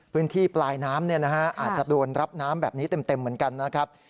พื้นที่ปลายน้ำอาจจะโดนรับน้ำแบบนี้เต็มเหมือนกันนะครับ